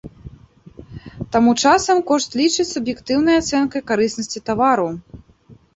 Таму часам кошт лічаць суб'ектыўнай ацэнкай карыснасці тавару.